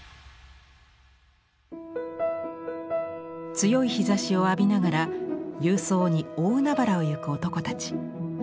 強い日ざしを浴びながら勇壮に大海原をゆく男たち。